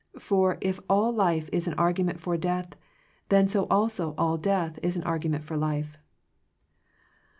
For if all life is an argument for death, then so also all death is an argu ment for life.